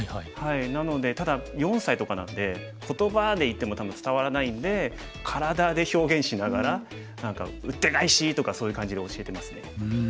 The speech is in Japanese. なのでただ４歳とかなんで言葉で言っても多分伝わらないんで体で表現しながら何か「ウッテガエシ！」とかそういう感じで教えてますね。